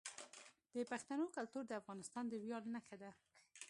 د پښتنو کلتور د افغانستان د ویاړ نښه ده.